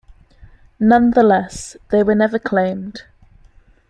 Nonetheless, they were never claimed.